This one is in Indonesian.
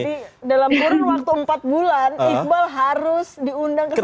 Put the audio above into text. jadi dalam kurang waktu empat bulan iqbal harus diundang ke sana